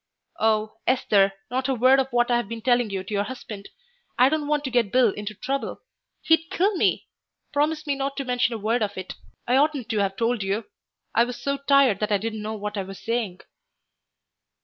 "Oh, Esther, not a word of what I've been telling you to your husband. I don't want to get Bill into trouble. He'd kill me. Promise me not to mention a word of it. I oughtn't to have told you. I was so tired that I didn't know what I was saying."